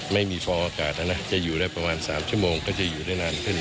ไม่มีฟองอากาศนะนะจะอยู่ได้ประมาณ๓ชั่วโมงก็จะอยู่ได้นานขึ้น